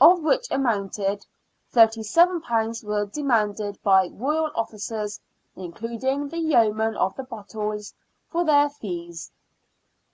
of which amount £37 were demanded by Royal officers, including the " Yeoman of the Bottles," for their fees.